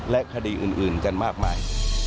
และคดีอื่นกันมากมาย